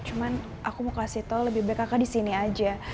cuman aku mau kasih tau lebih baik kakak disini aja